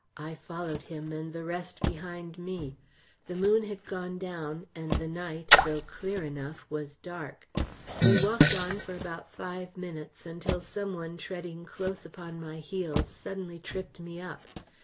I followed him, and the rest behind me. The moon had gone down, and the night, though clear enough, was dark. We walked on for about five minutes, until some one treading close upon my heels suddenly tripped me up.